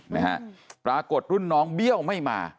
นะฮะปรากฏรุ่นน้องเบี้ยวไม่มา